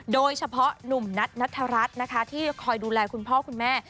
โดยเฉพาะหนุ่มนัทนัทรัฐนะคะที่คอยดูแลคุณพ่อคุณแม่